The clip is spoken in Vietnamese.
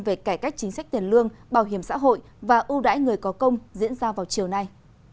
về cải cách chính sách tiền lương bảo hiểm xã hội và ưu đãi người có công diễn ra vào chiều nay